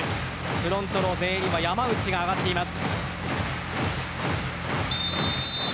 フロントの前衛には山内が上がっています。